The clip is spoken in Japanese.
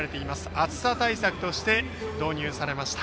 暑さ対策として導入されました。